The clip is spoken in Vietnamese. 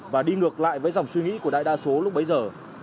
và đi ngược lại với dòng suy nghĩ của đại đa số lúc bấy giờ